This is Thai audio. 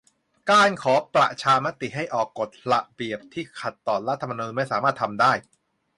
การขอประชามติให้ออกกฎระเบียบที่ขัดต่อรัฐธรรมนูญไม่สามารถทำได้